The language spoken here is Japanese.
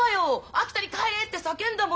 「秋田に帰れ！」って叫んだもの！